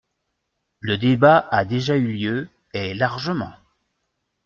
Le débat a déjà eu lieu, et largement.